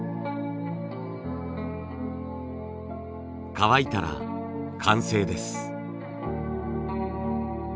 乾いたら完成です。